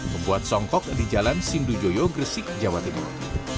membuat songkok di jalan sindujoyo gresik jawa timur